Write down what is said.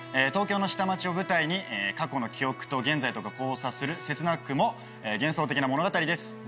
東京の下町を舞台に過去の記憶と現在とが交差する切なくも幻想的な物語です。